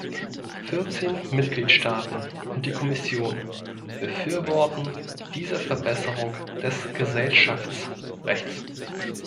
Vierzehn Mitgliedstaaten und die Kommission befürworten diese Verbesserung des Gesellschaftsrechts.